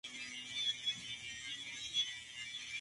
La imagen siempre es un subconjunto del codominio.